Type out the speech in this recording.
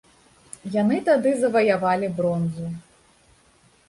Яны тады заваявалі бронзу.